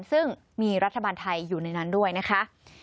ซึ่งมีรัฐบาลไทยอยู่ในนั้นด้วยนะคะ